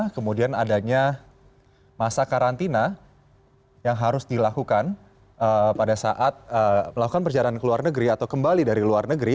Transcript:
kemudian adanya masa karantina yang harus dilakukan pada saat melakukan perjalanan ke luar negeri atau kembali dari luar negeri